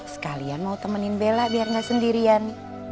sekalian mau temenin bela biar gak sendirian